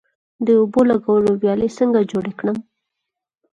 د اوبو لګولو ویالې څنګه جوړې کړم؟